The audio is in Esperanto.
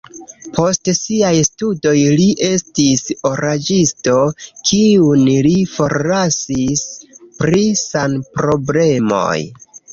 Post siaj studoj li estis oraĵisto, kiun li forlasis pri sanproblemoj.